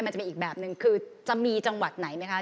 มันจะมีอีกแบบนึงคือจะมีจังหวัดไหนไหมคะ